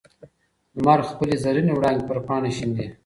لمر خپلې زرینې وړانګې پر پاڼه شیندي.